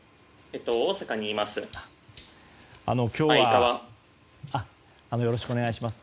大阪にいます。